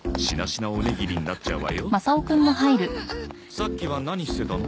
さっきは何してたの？